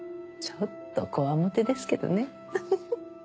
ちょっとこわもてですけどね。